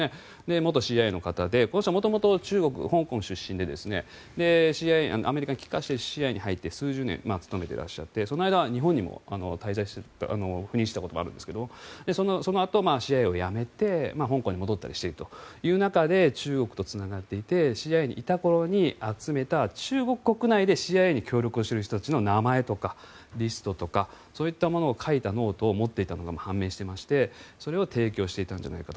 元ＣＩＡの方でこの人は元々中国・香港出身でアメリカに帰化してＣＩＡに入って数十年勤めていらっしゃってその間、日本にも赴任していたことがあるんですがそのあとＣＩＡを辞めて香港に戻ったりしているという中で中国とつながっていてＣＩＡにいた頃に集めた中国国内でＣＩＡに協力している人たちの名前とかリストとかそういったものを書いたノートを持っていたのが判明しましてそれを提供していたんじゃないかと。